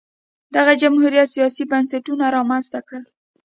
دغه جمهوریت سیاسي بنسټونه رامنځته کړل